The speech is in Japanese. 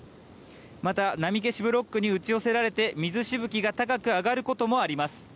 また波消しブロックに打ち寄せられて水しぶきが高く上がることもあります。